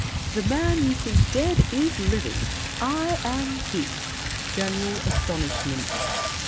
The man You think is dead is living. I am he! [General astonishment.